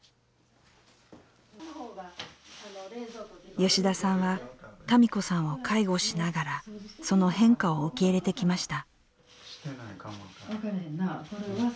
吉田さんは多美子さんを介護しながらその変化を受け入れてきました。